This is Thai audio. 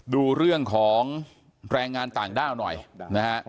ดูเรื่องของแรงงานต่างด้าวหน่อยนะฮะ